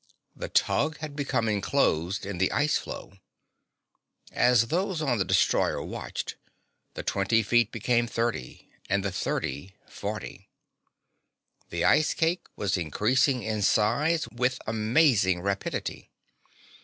The tug had become inclosed in the ice floe. As those on the destroyer watched, the twenty feet became thirty and the thirty forty. The ice cake was increasing in size with amazing rapidity.